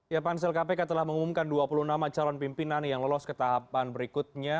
ya pansel kpk telah mengumumkan dua puluh nama calon pimpinan yang lolos ke tahapan berikutnya